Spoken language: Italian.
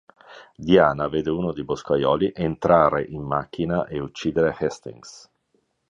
Diane vede uno dei boscaioli entrare in macchina e uccidere Hastings.